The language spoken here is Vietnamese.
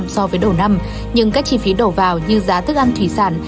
so với đầu năm nhưng các chi phí đổ vào như giá thức ăn thủy sản